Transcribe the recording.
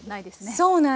そうなんです。